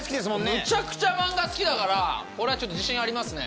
むちゃくちゃ漫画好きだからこれはちょっと自信ありますね。